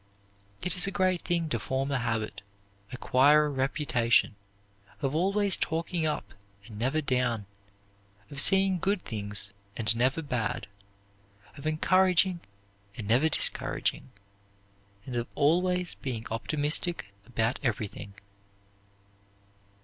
It is a great thing to form a habit, acquire a reputation, of always talking up and never down, of seeing good things and never bad, of encouraging and never discouraging, and of always being optimistic about everything.